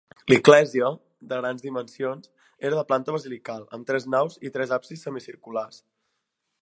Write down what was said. L'església, de grans dimensions, era de planta basilical, amb tres naus i tres absis semicirculars.